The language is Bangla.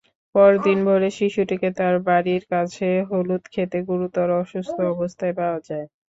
পরদিন ভোরে শিশুটিকে তার বাড়ির কাছে হলুদখেতে গুরুতর অসুস্থ অবস্থায় পাওয়া যায়।